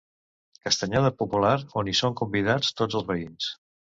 Castanyada popular on hi són convidats tots els veïns.